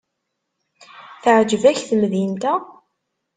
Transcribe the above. Teɛjeb-ak temdint-a?